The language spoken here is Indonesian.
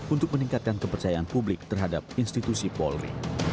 untuk meningkatkan kepercayaan publik terhadap institusi polri